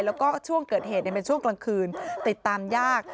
แล้วก็ช่วงเกิดเหตุเป็นช่วงกลางคืนติดตามยาก